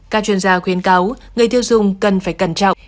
các chuyên gia khuyến cáo người tiêu dùng cần phải cẩn trọng